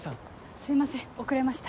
すいません遅れました。